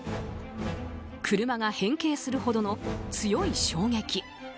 車が変形するほどの強い衝撃。